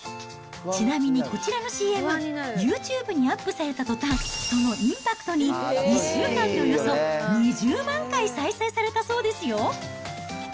ちなみにこちらのＣＭ、ユーチューブにアップされたとたん、そのインパクトに、１週間でおよそ２０万回再生されたそうですよ。